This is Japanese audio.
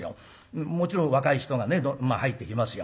もちろん若い人がね入ってきますよ。